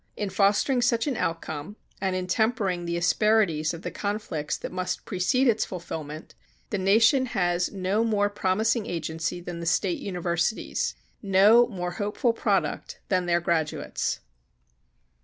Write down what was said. In fostering such an outcome and in tempering the asperities of the conflicts that must precede its fulfilment, the nation has no more promising agency than the State Universities, no more hopeful product than their graduates.